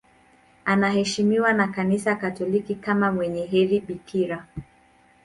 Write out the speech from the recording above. Anaheshimiwa na Kanisa Katoliki kama mwenye heri bikira.